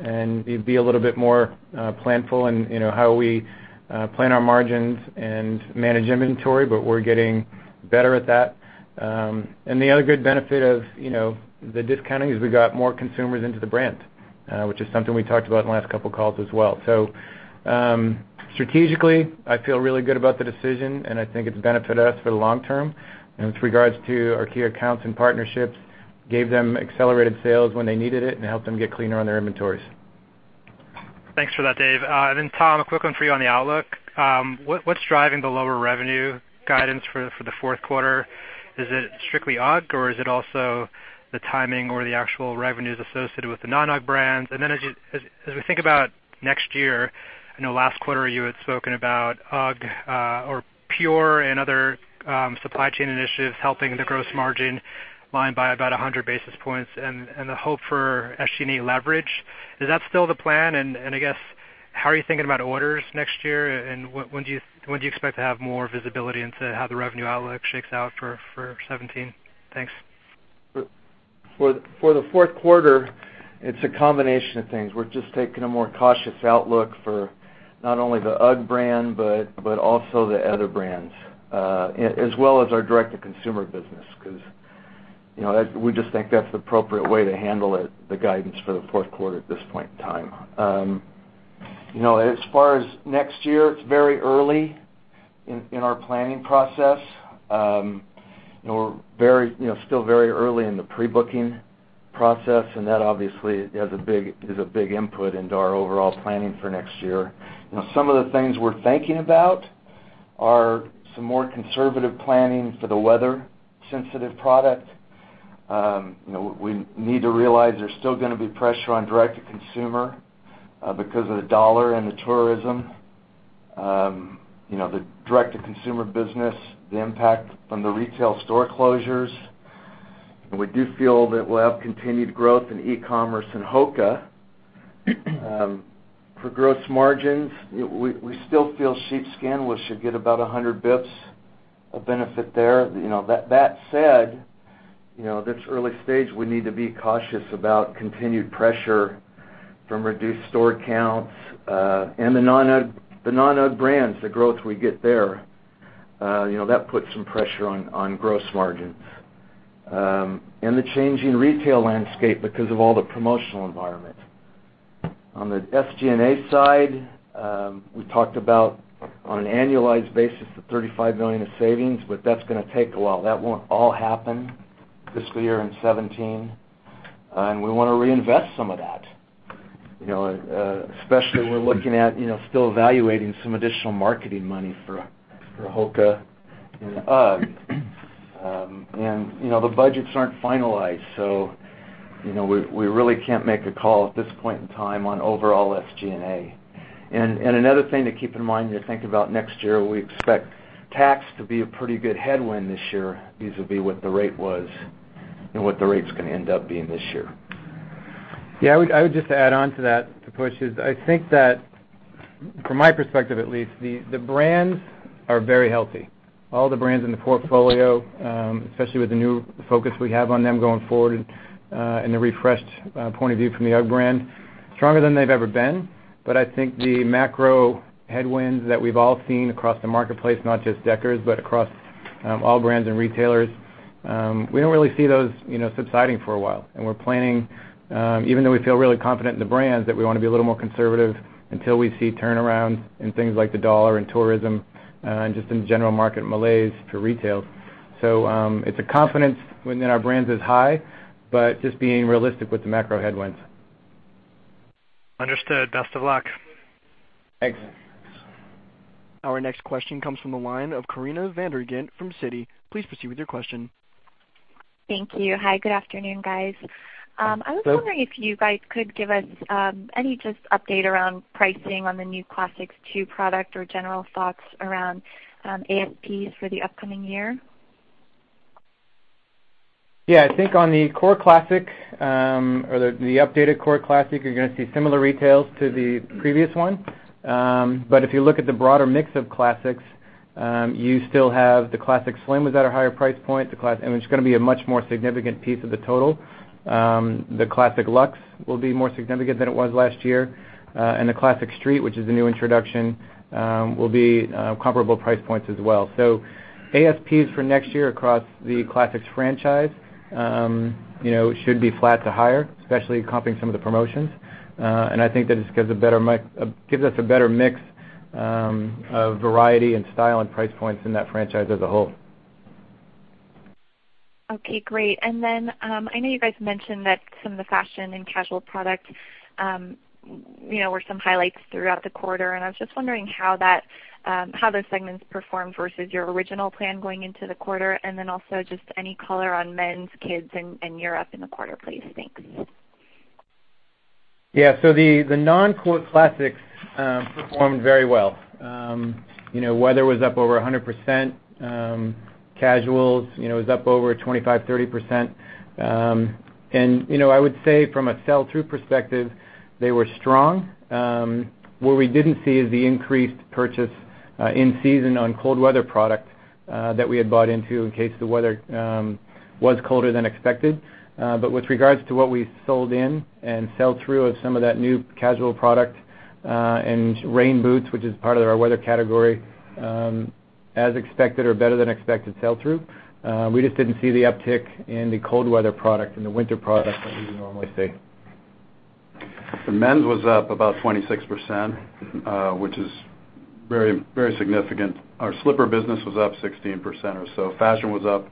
and be a little bit more planful in how we plan our margins and manage inventory, but we're getting better at that. The other good benefit of the discounting is we got more consumers into the brand, which is something we talked about in the last couple of calls as well. Strategically, I feel really good about the decision, and I think it's benefited us for the long term. With regards to our key accounts and partnerships, gave them accelerated sales when they needed it and helped them get cleaner on their inventories. Thanks for that, Dave. Tom, a quick one for you on the outlook. What's driving the lower revenue guidance for the fourth quarter? Is it strictly UGG or is it also the timing or the actual revenues associated with the non-UGG brands? As we think about next year, I know last quarter you had spoken about UGGpure and other supply chain initiatives helping the gross margin line by about 100 basis points and the hope for SG&A leverage. Is that still the plan? I guess how are you thinking about orders next year and when do you expect to have more visibility into how the revenue outlook shakes out for 2017? Thanks. For the fourth quarter, it's a combination of things. We're just taking a more cautious outlook for not only the UGG brand but also the other brands, as well as our direct-to-consumer business because We just think that's the appropriate way to handle it, the guidance for the fourth quarter at this point in time. As far as next year, it's very early in our planning process. We're still very early in the pre-booking process, and that obviously is a big input into our overall planning for next year. Some of the things we're thinking about are some more conservative planning for the weather-sensitive product. We need to realize there's still going to be pressure on direct-to-consumer because of the U.S. dollar and the tourism. The direct-to-consumer business, the impact from the retail store closures. We do feel that we'll have continued growth in e-commerce and HOKA. For gross margins, we still feel sheepskin, we should get about 100 basis points of benefit there. That said, this early stage, we need to be cautious about continued pressure from reduced store counts, the non-UGG brands, the growth we get there. That puts some pressure on gross margins. The changing retail landscape because of all the promotional environment. On the SG&A side, we talked about, on an annualized basis, the $35 million of savings. That's going to take a while. That won't all happen this year in 2017. We want to reinvest some of that. Especially we're looking at still evaluating some additional marketing money for HOKA and UGG. The budgets aren't finalized, so we really can't make a call at this point in time on overall SG&A. Another thing to keep in mind when you think about next year, we expect tax to be a pretty good headwind this year vis-à-vis what the rate was and what the rate's going to end up being this year. Yeah. I would just add on to that, Taposh, is I think that, from my perspective at least, the brands are very healthy. All the brands in the portfolio, especially with the new focus we have on them going forward, and the refreshed point of view from the UGG brand, stronger than they've ever been. I think the macro headwinds that we've all seen across the marketplace, not just Deckers, but across all brands and retailers, we don't really see those subsiding for a while. We're planning, even though we feel really confident in the brands, that we want to be a little more conservative until we see turnarounds in things like the U.S. dollar and tourism, and just in general market malaise for retail. It's a confidence within our brands is high, but just being realistic with the macro headwinds. Understood. Best of luck. Thanks. Our next question comes from the line of Corinna van der Ghinst from Citi. Please proceed with your question. Thank you. Hi, good afternoon, guys. Hello. I was wondering if you guys could give us any just update around pricing on the new Classic II product or general thoughts around ASPs for the upcoming year. I think on the core Classic, or the updated core Classic, you're going to see similar retails to the previous one. If you look at the broader mix of Classics, you still have the Classic Slim is at a higher price point. It's going to be a much more significant piece of the total. The Classic Luxe will be more significant than it was last year. The Classic Street, which is a new introduction, will be comparable price points as well. ASPs for next year across the Classics franchise should be flat to higher, especially comping some of the promotions. I think that just gives us a better mix of variety and style and price points in that franchise as a whole. Okay, great. I know you guys mentioned that some of the fashion and casual product were some highlights throughout the quarter, I was just wondering how those segments performed versus your original plan going into the quarter, also just any color on men's, kids, and Europe in the quarter, please. Thanks. The non-core Classics performed very well. Weather was up over 100%. Casuals was up over 25%, 30%. I would say from a sell-through perspective, they were strong. What we didn't see is the increased purchase in-season on cold weather product that we had bought into in case the weather was colder than expected. With regards to what we sold in and sell-through of some of that new casual product and rain boots, which is part of our weather category, as expected or better than expected sell-through. We just didn't see the uptick in the cold weather product and the winter product that we would normally see. The men's was up about 26%, which is very significant. Our slipper business was up 16% or so. Fashion was up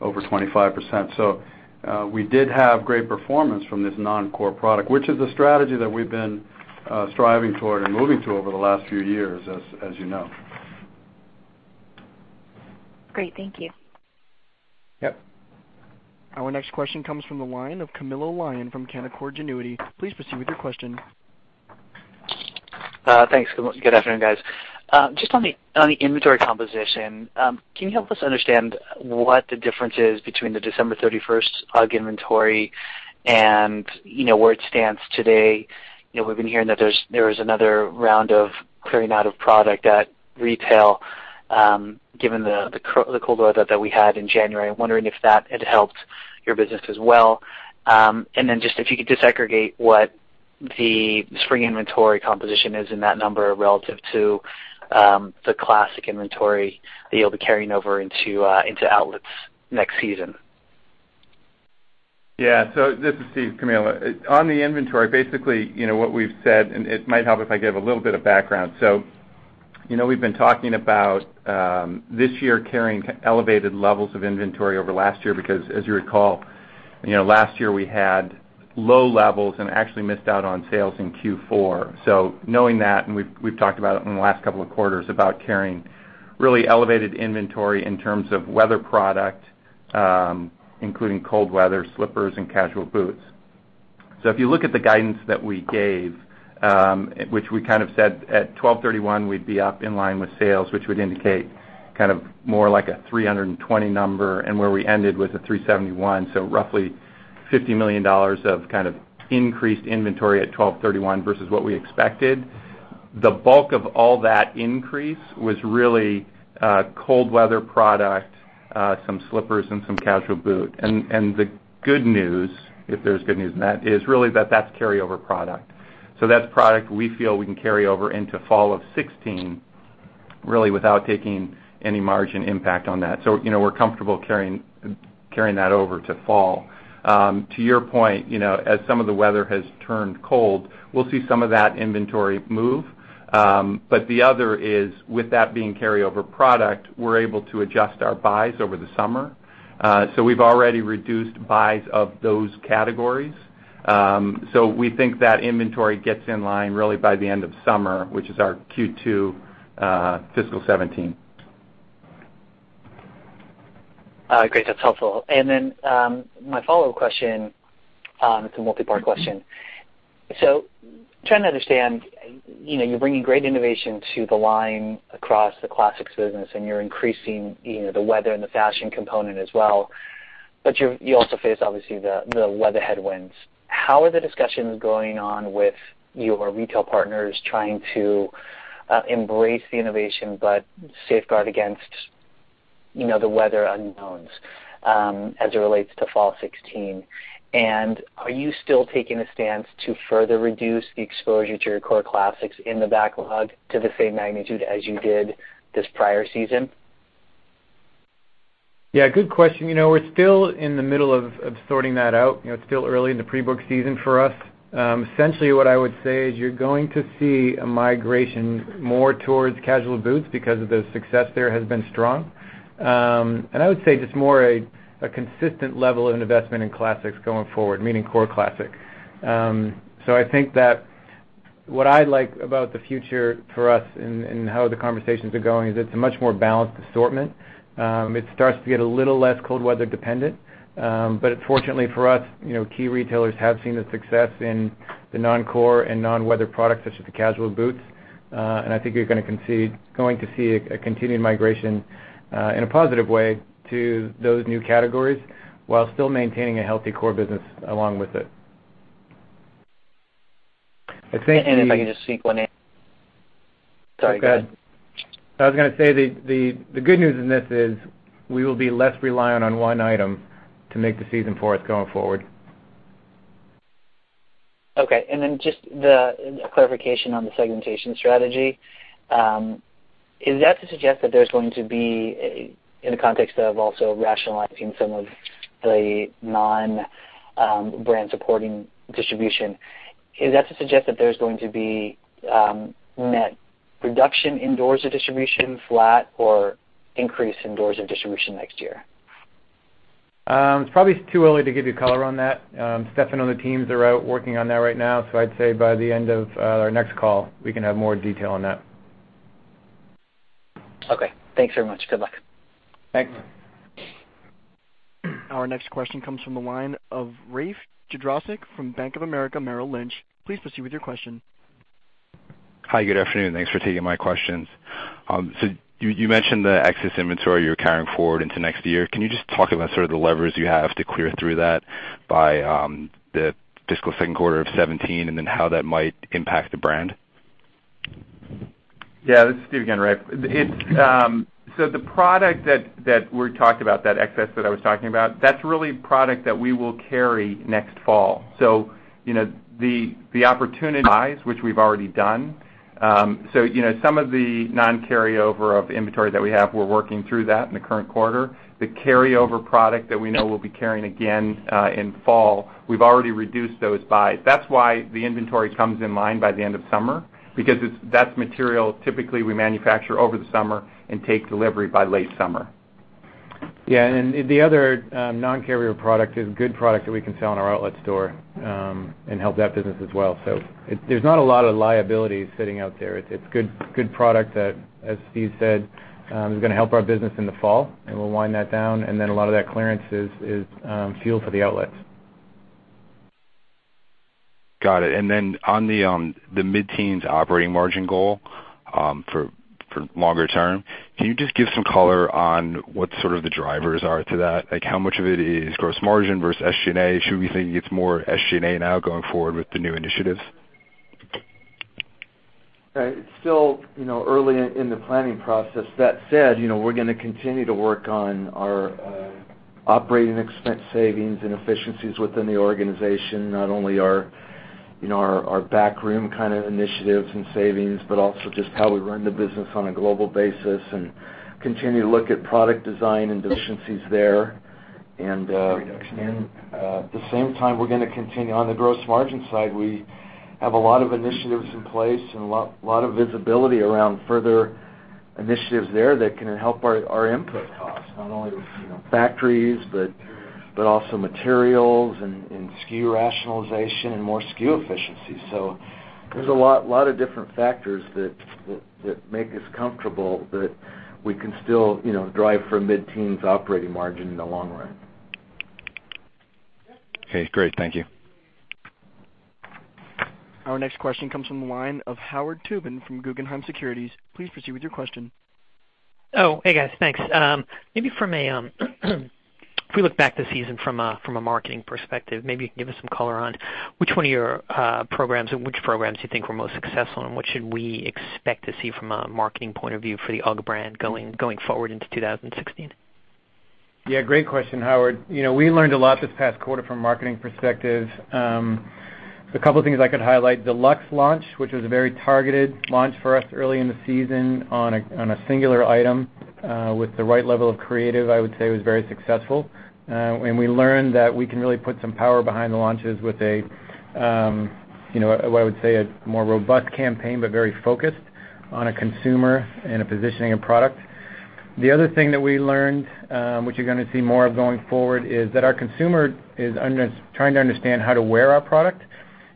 over 25%. We did have great performance from this non-core product, which is a strategy that we've been striving toward and moving to over the last few years, as you know. Great. Thank you. Yep. Our next question comes from the line of Camilo Lyon from Canaccord Genuity. Please proceed with your question. Thanks. Good afternoon, guys. Just on the inventory composition, can you help us understand what the difference is between the December 31st UGG inventory and where it stands today? We've been hearing that there's another round of clearing out of product at retail given the cold weather that we had in January. I'm wondering if that had helped your business as well. Then just if you could disaggregate what the spring inventory composition is in that number relative to the classic inventory that you'll be carrying over into outlets next season. Yeah. This is Steve, Camilo. On the inventory, basically, what we've said. It might help if I give a little bit of background. We've been talking about, this year, carrying elevated levels of inventory over last year because, as you recall, last year we had low levels and actually missed out on sales in Q4. Knowing that, we've talked about it in the last couple of quarters, about carrying really elevated inventory in terms of weather product, including cold weather, slippers, and casual boots. If you look at the guidance that we gave, which we kind of said at 1231 we'd be up in line with sales, which would indicate kind of more like a $320 number, and where we ended was at $371, so roughly $50 million of kind of increased inventory at 1231 versus what we expected. The bulk of all that increase was really cold weather product, some slippers and some casual boots. The good news, if there's good news in that, is really that that's carryover product. That's product we feel we can carry over into fall of 2016, really without taking any margin impact on that. We're comfortable carrying that over to fall. To your point, as some of the weather has turned cold, we'll see some of that inventory move. The other is, with that being carryover product, we're able to adjust our buys over the summer. We've already reduced buys of those categories. We think that inventory gets in line really by the end of summer, which is our Q2 fiscal 2017. Great. That's helpful. My follow-up question, it's a multi-part question. Trying to understand, you're bringing great innovation to the line across the classics business, and you're increasing the weather and the fashion component as well. You also face, obviously, the weather headwinds. How are the discussions going on with your retail partners trying to embrace the innovation but safeguard against the weather unknowns, as it relates to fall 2016? Are you still taking a stance to further reduce the exposure to your core classics in the backlog to the same magnitude as you did this prior season? Yeah, good question. We're still in the middle of sorting that out. It's still early in the pre-book season for us. Essentially what I would say is you're going to see a migration more towards casual boots because the success there has been strong. I would say just more a consistent level of investment in classics going forward, meaning core classic. I think that what I like about the future for us and how the conversations are going is it's a much more balanced assortment. It starts to get a little less cold weather dependent. Fortunately for us, key retailers have seen the success in the non-core and non-weather products such as the casual boots. I think you're going to see a continued migration, in a positive way, to those new categories while still maintaining a healthy core business along with it. If I can just sequence Sorry, go ahead. I was going to say, the good news in this is we will be less reliant on one item to make the season for us going forward. Okay, then just a clarification on the segmentation strategy. Is that to suggest that there's going to be, in the context of also rationalizing some of the non-brand supporting distribution, is that to suggest that there's going to be net reduction in doors of distribution, flat, or increase in doors of distribution next year? It's probably too early to give you color on that. Stefan and the teams are out working on that right now, so I'd say by the end of our next call, we can have more detail on that. Okay. Thanks very much. Good luck. Thanks. Our next question comes from the line of Rafe Jadrosich from Bank of America Merrill Lynch. Please proceed with your question. Hi, good afternoon. Thanks for taking my questions. You mentioned the excess inventory you're carrying forward into next year. Can you just talk about sort of the levers you have to clear through that by the fiscal second quarter of 2017, then how that might impact the brand? Yeah. This is Steve again, Rafe. The product that we talked about, that excess that I was talking about, that's really product that we will carry next fall. The opportunity buys, which we've already done. Some of the non-carryover of inventory that we have, we're working through that in the current quarter. The carryover product that we know we'll be carrying again, in fall, we've already reduced those buys. That's why the inventory comes in line by the end of summer, because that's material typically we manufacture over the summer and take delivery by late summer. Yeah, the other non-carryover product is good product that we can sell in our outlet store, and help that business as well. There's not a lot of liability sitting out there. It's good product that, as Steve said, is going to help our business in the fall, we'll wind that down, then a lot of that clearance is fuel for the outlets. Got it. Then on the mid-teens operating margin goal, for longer term, can you just give some color on what sort of the drivers are to that? Like, how much of it is gross margin versus SG&A? Should we be thinking it's more SG&A now going forward with the new initiatives? Right. It's still early in the planning process. That said, we're going to continue to work on our operating expense savings and efficiencies within the organization. Not only our back room kind of initiatives and savings, but also just how we run the business on a global basis and continue to look at product design and deficiencies there. Reduction in. At the same time, we're going to continue on the gross margin side. We have a lot of initiatives in place and a lot of visibility around further initiatives there that can help our input costs. Not only with factories, but also materials and SKU rationalization and more SKU efficiency. There's a lot of different factors that make us comfortable that we can still drive for mid-teens operating margin in the long run. Okay, great. Thank you. Our next question comes from the line of Howard Tubin from Guggenheim Securities. Please proceed with your question. Oh, hey, guys. Thanks. If we look back this season from a marketing perspective, maybe you can give us some color on which one of your programs or which programs you think were most successful, and what should we expect to see from a marketing point of view for the UGG brand going forward into 2016? Yeah, great question, Howard. We learned a lot this past quarter from a marketing perspective. There's a couple of things I could highlight. The Luxe launch, which was a very targeted launch for us early in the season on a singular item with the right level of creative, I would say, was very successful. We learned that we can really put some power behind the launches with what I would say, a more robust campaign, but very focused on a consumer and a positioning of product. The other thing that we learned, which you're going to see more of going forward, is that our consumer is trying to understand how to wear our product.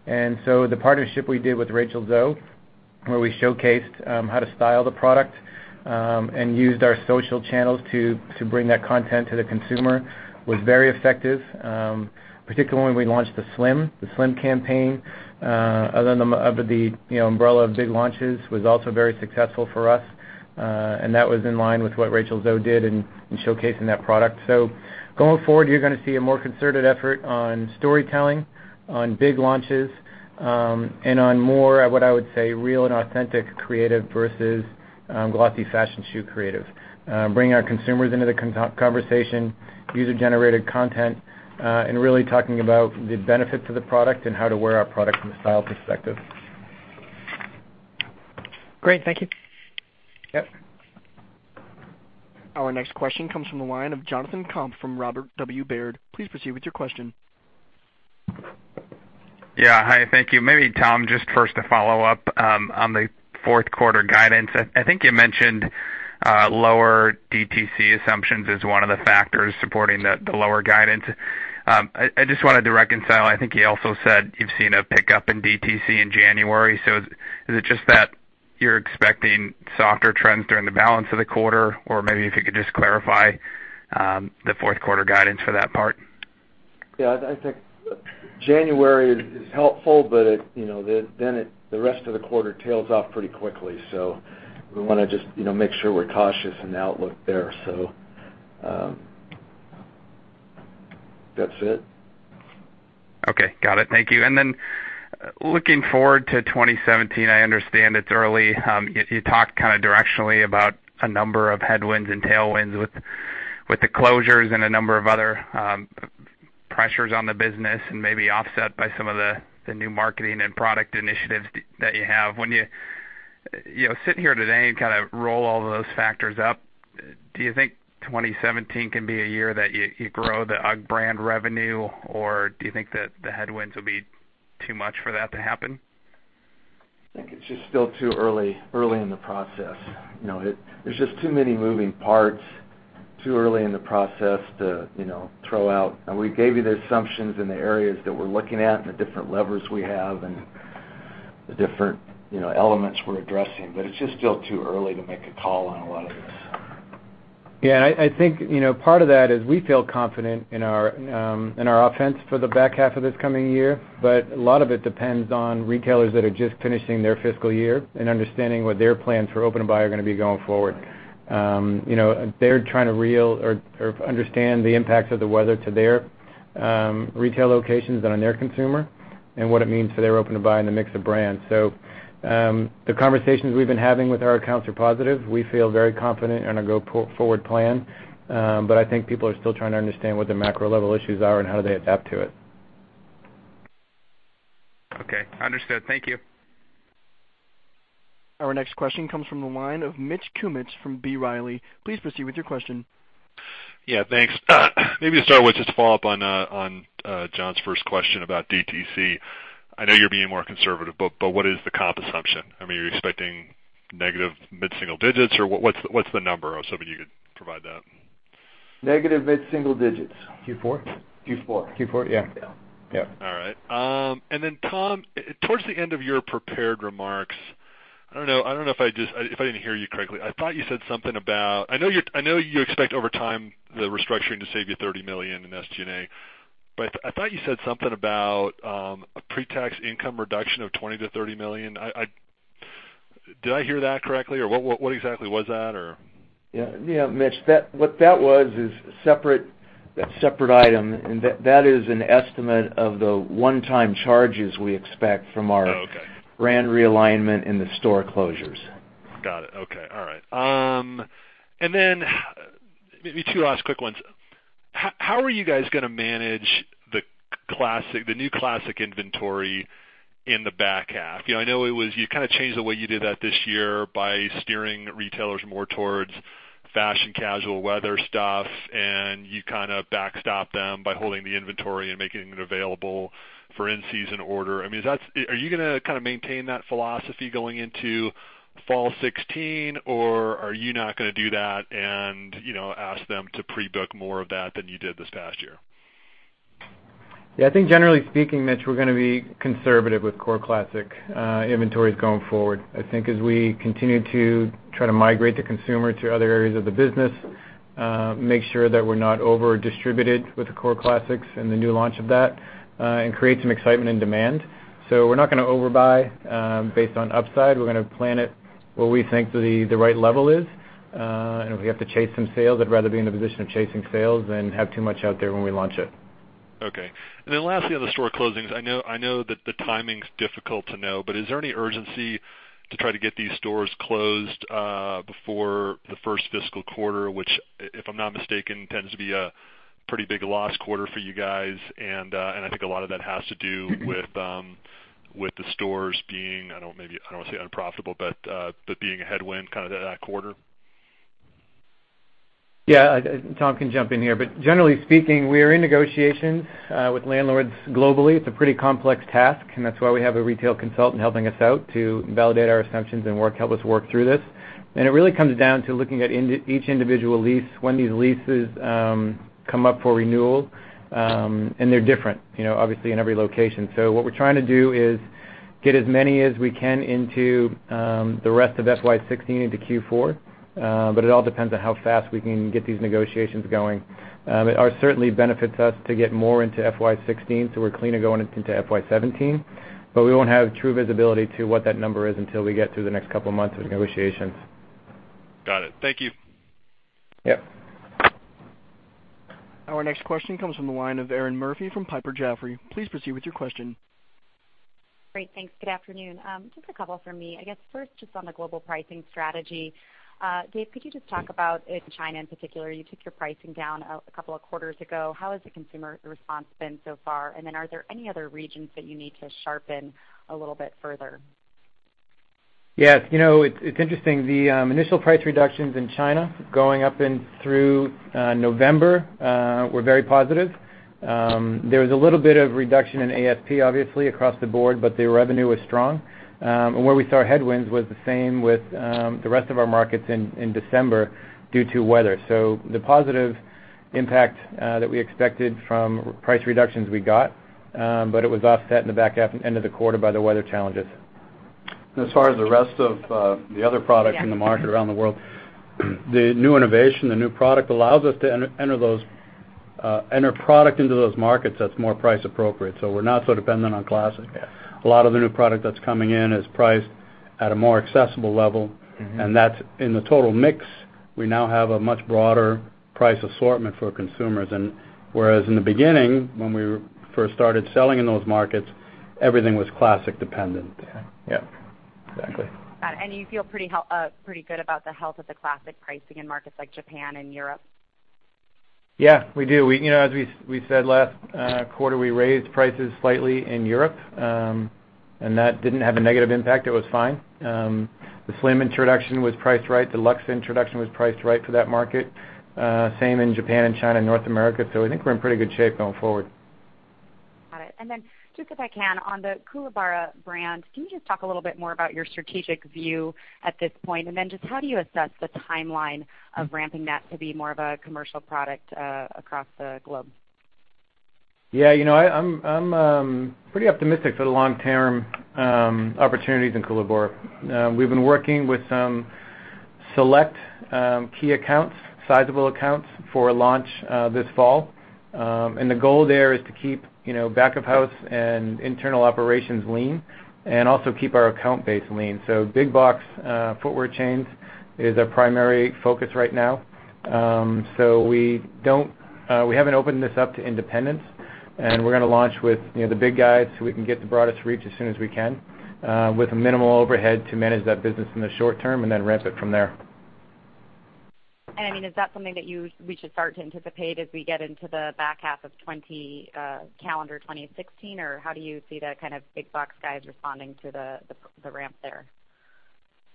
The partnership we did with Rachel Zoe, where we showcased how to style the product, and used our social channels to bring that content to the consumer, was very effective. Particularly when we launched the Slim campaign, under the umbrella of big launches, was also very successful for us, and that was in line with what Rachel Zoe did in showcasing that product. Going forward, you're going to see a more concerted effort on storytelling, on big launches, and on more, what I would say, real and authentic creative versus glossy fashion shoot creative. Bringing our consumers into the conversation, user-generated content, and really talking about the benefit to the product and how to wear our product from a style perspective. Great. Thank you. Yep. Our next question comes from the line of Jonathan Komp from Robert W. Baird. Please proceed with your question. Yeah. Hi. Thank you. Maybe, Tom, just first a follow-up on the fourth quarter guidance. I think you mentioned lower DTC assumptions as one of the factors supporting the lower guidance. I just wanted to reconcile, I think you also said you've seen a pickup in DTC in January. Is it just that you're expecting softer trends during the balance of the quarter, or maybe if you could just clarify the fourth quarter guidance for that part? I think January is helpful, the rest of the quarter tails off pretty quickly. We want to just make sure we're cautious in the outlook there. That's it. Okay. Got it. Thank you. Looking forward to 2017, I understand it's early. You talked kind of directionally about a number of headwinds and tailwinds with the closures and a number of other pressures on the business, and maybe offset by some of the new marketing and product initiatives that you have. When you sit here today and kind of roll all of those factors up, do you think 2017 can be a year that you grow the UGG brand revenue, or do you think that the headwinds will be too much for that to happen? I think it's just still too early in the process. There's just too many moving parts, too early in the process to throw out. We gave you the assumptions and the areas that we're looking at and the different levers we have and the different elements we're addressing, it's just still too early to make a call on a lot of this. I think part of that is we feel confident in our offense for the back half of this coming year, but a lot of it depends on retailers that are just finishing their fiscal year and understanding what their plans for open-to-buy are going to be going forward. They're trying to understand the impacts of the weather to their retail locations and on their consumer and what it means for their open-to-buy and the mix of brands. The conversations we've been having with our accounts are positive. We feel very confident in our go-forward plan. I think people are still trying to understand what the macro level issues are and how do they adapt to it. Okay. Understood. Thank you. Our next question comes from the line of Mitch Kummetz from B. Riley. Please proceed with your question. Yeah, thanks. Maybe to start with, just to follow up on John's first question about DTC. I know you're being more conservative, but what is the comp assumption? I mean, are you expecting negative mid-single digits, or what's the number, or something you could provide that? Negative mid-single digits. Q4? Q4. Q4, yeah. Yeah. All right. Tom, towards the end of your prepared remarks, I don't know if I didn't hear you correctly. I know you expect over time the restructuring to save you $30 million in SG&A, but I thought you said something about a pre-tax income reduction of $20 to $30 million. Did I hear that correctly, or what exactly was that, or? Yeah, Mitch, what that was is separate. That separate item, that is an estimate of the one-time charges we expect from our. Okay brand realignment and the store closures. Got it. Okay. All right. Then maybe two last quick ones. How are you guys going to manage the new Classic inventory in the back half? I know you changed the way you did that this year by steering retailers more towards fashion casual weather stuff, and you backstopped them by holding the inventory and making it available for in-season order. Are you going to maintain that philosophy going into fall 2016? Or are you not going to do that and ask them to pre-book more of that than you did this past year? Yeah. I think generally speaking, Mitch, we're going to be conservative with core Classic inventories going forward. I think as we continue to try to migrate the consumer to other areas of the business, make sure that we're not over-distributed with the core Classics and the new launch of that, and create some excitement and demand. We're not going to overbuy based on upside. We're going to plan it what we think the right level is. If we have to chase some sales, I'd rather be in the position of chasing sales than have too much out there when we launch it. Okay. Then lastly, on the store closings, I know that the timing's difficult to know, but is there any urgency to try to get these stores closed before the first fiscal quarter, which, if I'm not mistaken, tends to be a pretty big loss quarter for you guys. I think a lot of that has to do with the stores being, I don't want to say unprofitable, but being a headwind that quarter. Yeah. Tom can jump in here, but generally speaking, we are in negotiations with landlords globally. It's a pretty complex task, and that's why we have a retail consultant helping us out to validate our assumptions and help us work through this. It really comes down to looking at each individual lease, when these leases come up for renewal, and they're different, obviously, in every location. What we're trying to do is get as many as we can into the rest of FY 2016 into Q4. It all depends on how fast we can get these negotiations going. It certainly benefits us to get more into FY 2016, so we're cleaner going into FY 2017. We won't have true visibility to what that number is until we get through the next couple of months with negotiations. Got it. Thank you. Yep. Our next question comes from the line of Erinn Murphy from Piper Jaffray. Please proceed with your question. Great. Thanks. Good afternoon. Just a couple from me. I guess first, just on the global pricing strategy. Dave, could you just talk about in China in particular, you took your pricing down a couple of quarters ago. How has the consumer response been so far? Then are there any other regions that you need to sharpen a little bit further? Yes. It's interesting. The initial price reductions in China going up in through November, were very positive. There was a little bit of reduction in ASP, obviously, across the board, but the revenue was strong. Where we saw headwinds was the same with the rest of our markets in December due to weather. The positive impact that we expected from price reductions we got, but it was offset in the back end of the quarter by the weather challenges. As far as the rest of the other products in the market around the world, the new innovation, the new product allows us to enter product into those markets that's more price appropriate. We're not so dependent on Classic. Yeah. A lot of the new product that's coming in is priced at a more accessible level. That's in the total mix. We now have a much broader price assortment for consumers. Whereas in the beginning, when we first started selling in those markets, everything was Classic dependent. Yeah. Yep. Exactly. Got it. You feel pretty good about the health of the Classic pricing in markets like Japan and Europe? Yeah. We do. As we said last quarter, we raised prices slightly in Europe, and that didn't have a negative impact. It was fine. The Slim introduction was priced right. The Luxe introduction was priced right for that market. Same in Japan and China, and North America. I think we're in pretty good shape going forward. Got it. Then just if I can, on the Koolaburra brand, can you just talk a little bit more about your strategic view at this point? Then just how do you assess the timeline of ramping that to be more of a commercial product across the globe? Yeah. I'm pretty optimistic for the long-term opportunities in Koolaburra. We've been working with some select key accounts, sizable accounts for a launch this fall. The goal there is to keep back of house and internal operations lean and also keep our account base lean. Big box footwear chains is our primary focus right now. We haven't opened this up to independents, and we're going to launch with the big guys so we can get the broadest reach as soon as we can with a minimal overhead to manage that business in the short term and then ramp it from there. Is that something that we should start to anticipate as we get into the back half of calendar 2016, or how do you see the big box guys responding to the ramp there?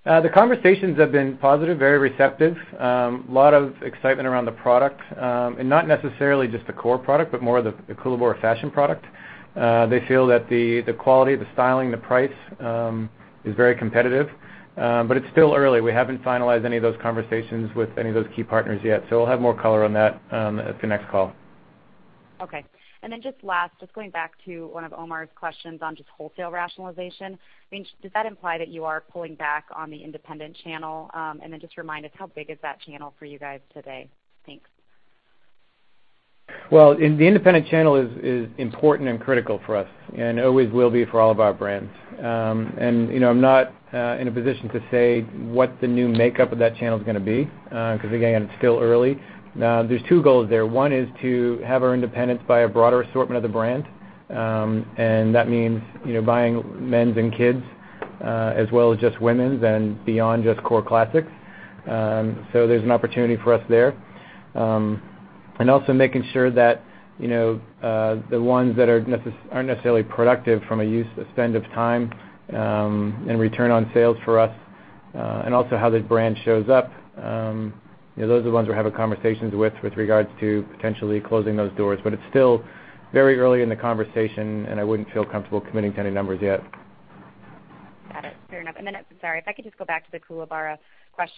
The conversations have been positive, very receptive. A lot of excitement around the product. Not necessarily just the core product, but more the Koolaburra fashion product. They feel that the quality, the styling, the price is very competitive. It's still early. We haven't finalized any of those conversations with any of those key partners yet. We'll have more color on that at the next call. Okay. Just last, just going back to one of Omar's questions on just wholesale rationalization. Does that imply that you are pulling back on the independent channel? Just remind us, how big is that channel for you guys today? Thanks. Well, the independent channel is important and critical for us and always will be for all of our brands. I'm not in a position to say what the new makeup of that channel's going to be because, again, it's still early. There's two goals there. One is to have our independents buy a broader assortment of the brand. That means buying men's and kids, as well as just women's, and beyond just core classics. There's an opportunity for us there. Also making sure that the ones that aren't necessarily productive from a use of spend of time and return on sales for us, and also how the brand shows up. Those are the ones we're having conversations with regards to potentially closing those doors. It's still very early in the conversation, and I wouldn't feel comfortable committing to any numbers yet. Got it. Fair enough. Sorry, if I could just go back to the Koolaburra question,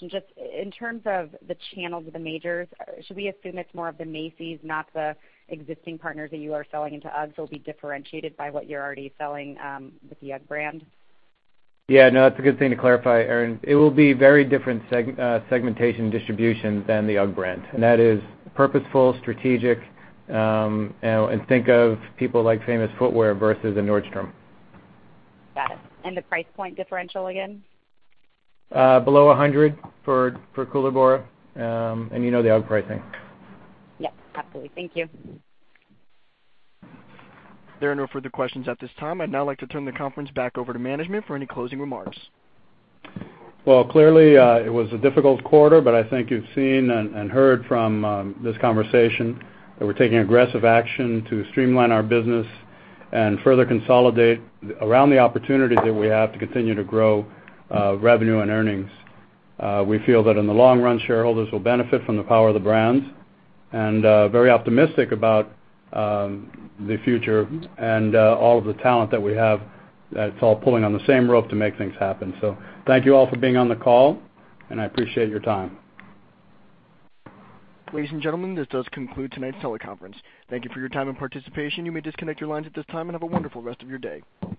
just in terms of the channels of the majors, should we assume it's more of the Macy's, not the existing partners that you are selling into UGGs will be differentiated by what you're already selling with the UGG brand? That's a good thing to clarify, Erinn. It will be very different segmentation distribution than the UGG brand, and that is purposeful, strategic, and think of people like Famous Footwear versus a Nordstrom. Got it. The price point differential again? Below 100 for Koolaburra, and you know the UGG pricing. Yep, absolutely. Thank you. There are no further questions at this time. I'd now like to turn the conference back over to management for any closing remarks. Well, clearly, it was a difficult quarter, but I think you've seen and heard from this conversation that we're taking aggressive action to streamline our business and further consolidate around the opportunity that we have to continue to grow revenue and earnings. We feel that in the long run, shareholders will benefit from the power of the brands, and very optimistic about the future and all of the talent that we have that's all pulling on the same rope to make things happen. Thank you all for being on the call, and I appreciate your time. Ladies and gentlemen, this does conclude tonight's teleconference. Thank you for your time and participation. You may disconnect your lines at this time. Have a wonderful rest of your day.